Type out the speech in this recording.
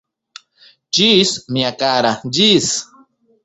Ĝis, mia kara, ĝis!